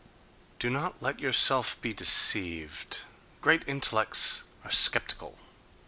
Do not let yourself be deceived: great intellects are sceptical.